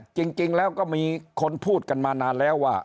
จริงแล้วก็มีคนพูดกันมานานแล้วว่า